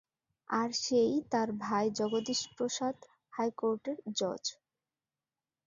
আর সেই তার ভাই জগদীশপ্রসাদ, হাইকোর্টের জজ।